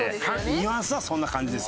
ニュアンスはそんな感じです。